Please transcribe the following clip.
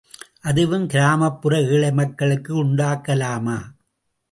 அதுவும் கிராமப்புற ஏழை மக்களுக்கு உண்டாக்கலாமா?